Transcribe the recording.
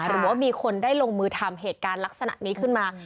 หรือว่ามีคนได้ลงมือทำเหตุการณ์ลักษณะนี้ขึ้นมา